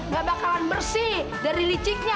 gak bakalan bersih dari liciknya